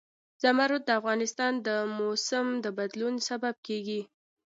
زمرد د افغانستان د موسم د بدلون سبب کېږي.